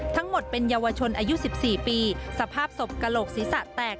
ทั้งหมดเป็นเยาวชนอายุ๑๔ปีสภาพศพกระโหลกศีรษะแตก